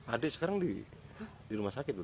adik sekarang di rumah sakit